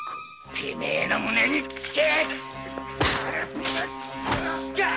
てめえの胸に訊け！